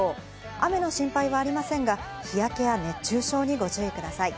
雨の心配はありませんが、日焼けや熱中症にご注意ください。